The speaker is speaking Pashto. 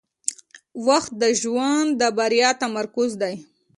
• وخت د ژوند د بریا تمرکز دی.